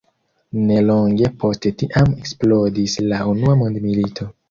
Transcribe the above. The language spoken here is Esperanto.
Nelonge post tiam eksplodis la unua mondmilito.